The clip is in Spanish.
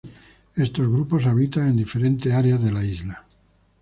Estos grupos habitan en diferentes áreas de la isla.